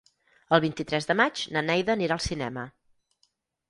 El vint-i-tres de maig na Neida anirà al cinema.